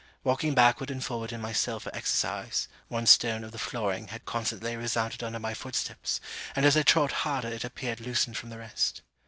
Walking backward and forward in my cell for exercise, one stone of the flooring had constantly resounded under my footsteps, and as I trod harder it appeared loosened from the rest.